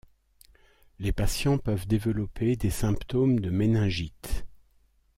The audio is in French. Les patients peuvent développer des symptômes de méningite.